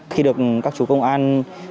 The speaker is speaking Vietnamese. khi được các chú công an